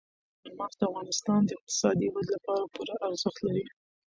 چار مغز د افغانستان د اقتصادي ودې لپاره پوره ارزښت لري.